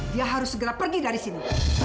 dia harus segera pergi dari sini